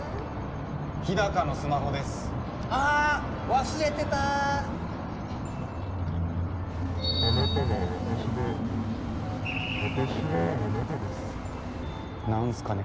日高のスマホですあーっ忘れてたあなたは私で私はあなたです何すかね？